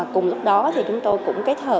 cùng lúc đó chúng tôi cũng kế thợ